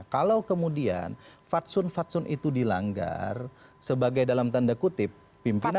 kalau kemudian faksun faksun itu dilanggar sebagai dalam tanda kutip pimpinan dari